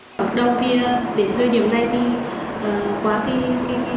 kết quả đó là sự khủng hộ rất lớn